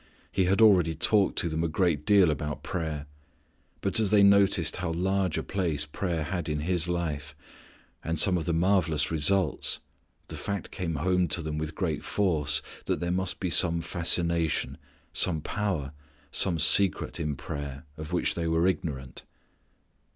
He had already talked to them a great deal about prayer. But as they noticed how large a place prayer had in His life, and some of the marvellous results, the fact came home to them with great force that there must be some fascination, some power, some secret in prayer, of which _they were ignorant.